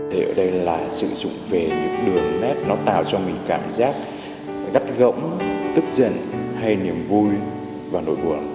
thế ở đây là sử dụng về những đường nét nó tạo cho mình cảm giác gắt gỗng tức giận hay niềm vui và nổi buồn